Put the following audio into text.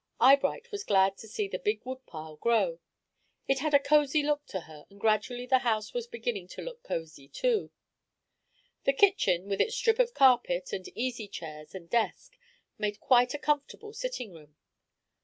Eyebright was glad to see the big woodpile grow. It had a cosey look to her, and gradually the house was beginning to look cosey too. The kitchen, with its strip of carpet and easy chairs and desk, made quite a comfortable sitting room.